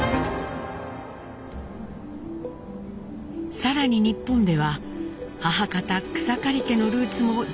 更に日本では母方草刈家のルーツも同時に探ります。